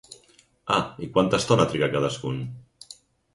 Ah i quanta estona triga cadascun?